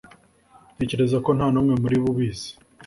ntekereza ko nta n'umwe muri bo ubizi